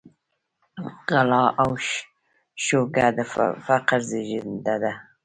غلا او شوکه د فقر زېږنده ده.